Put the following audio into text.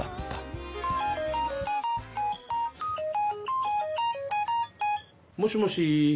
あもしもし。